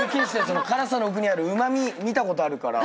辛さの奥にあるうま味見たことあるから。